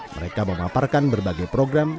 mereka memaparkan berbagai program